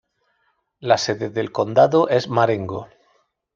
La sede del condado es Marengo.